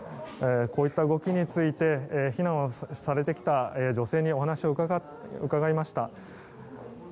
こういった動きについて避難をされてきた女性にお話を伺いました。